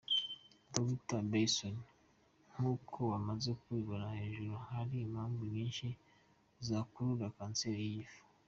Dr Belson: Nk’uko tumaze kubibona hejuru, hari impamvu nyinshi zakurura kanseri y’igifu.